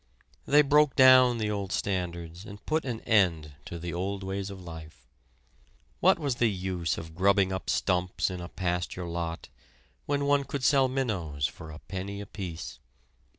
They broke down the old standards, and put an end to the old ways of life. What was the use of grubbing up stumps in a pasture lot, when one could sell minnows for a penny apiece?